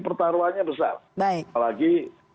pertaruhannya besar baik apalagi